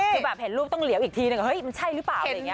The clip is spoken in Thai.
คือแบบเห็นรูปต้องเหลียวอีกทีหนึ่งเฮ้ยมันใช่หรือเปล่าอะไรอย่างนี้